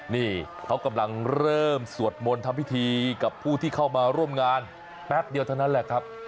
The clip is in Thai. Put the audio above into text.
นี่เขากำลังเริ่มสวดมนต์ทำพิธีกับผู้ที่เข้ามาร่วมงานแป๊บเดียวเท่านั้นแหละครับ